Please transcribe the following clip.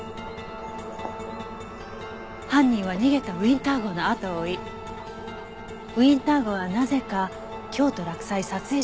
犯人は逃げたウィンター号のあとを追いウィンター号はなぜか京都洛西撮影所に向かった。